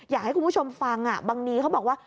อยากให้คุณผู้ชมฟังบางนี้เขาบอกว่า